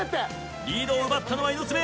リードを奪ったのは猪爪。